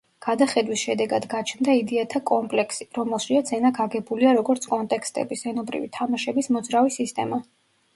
გადახედვის შედეგად გაჩნდა იდეათა კომპლექსი, რომელშიაც ენა გაგებულია როგორც კონტექსტების, „ენობრივი თამაშების“ მოძრავი სისტემა.